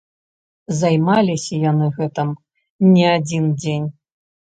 Займаліся яны гэтым не адзін дзень.